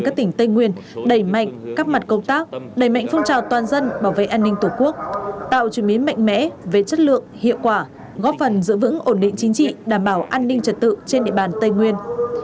các tỉnh tây nguyên đẩy mạnh các mặt công tác đẩy mạnh phong trào toàn dân bảo vệ an ninh tổ quốc tạo chuyển biến mạnh mẽ về chất lượng hiệu quả góp phần giữ vững ổn định chính trị đảm bảo an ninh trật tự trên địa bàn tây nguyên